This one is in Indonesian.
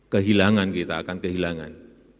kehilangan kita akan kehilangan